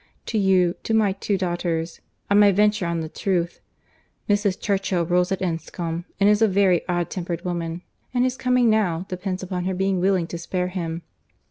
To you—to my two daughters—I may venture on the truth. Mrs. Churchill rules at Enscombe, and is a very odd tempered woman; and his coming now, depends upon her being willing to spare him."